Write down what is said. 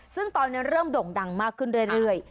ซึ่งตอนนี้เริ่มโด่งดังมากขึ้นเรื่อย